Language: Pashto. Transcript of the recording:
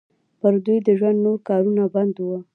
پر دوی د ژوند نور کارونه بند وو.